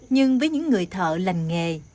nhưng với những người thợ lành nghề